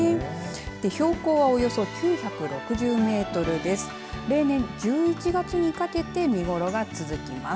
標高はおよそ９６０メートルです。